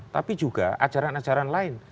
tapi juga ajaran ajaran lain